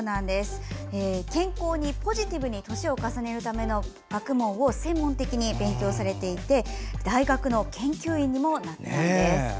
健康にポジティブに年を重ねるための学問を専門的に学んで大学の研究員にもなったんです。